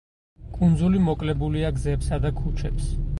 კუნძული მოკლებულია გზებსა და ქუჩებს.